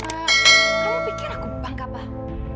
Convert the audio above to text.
kamu pikir aku bangga banget